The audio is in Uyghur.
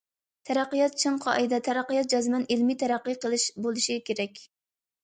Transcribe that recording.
تەرەققىيات چىڭ قائىدە، تەرەققىيات جەزمەن ئىلمىي تەرەققىي قىلىش بولۇشى كېرەك.